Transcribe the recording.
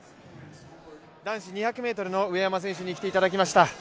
男子２００ｍの上山選手に来ていただきました。